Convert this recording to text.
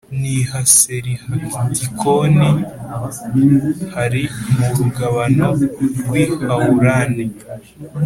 n i Haserihatikoni hari mu rugabano rw i Hawurani